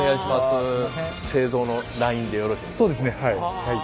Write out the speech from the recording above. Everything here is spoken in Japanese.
製造のラインでよろしい？